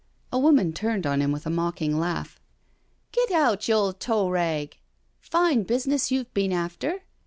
A woman turned on him with a mocking laugh :" Git out, you old tow rag I Fine business you've bin after.